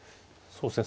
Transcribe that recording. そうですね。